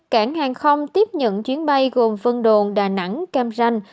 cảng hàng không tiếp nhận chuyến bay gồm vân đồn đà nẵng cam ranh